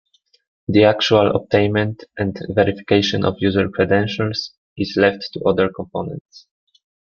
The actual obtainment and verification of user credentials is left to other components.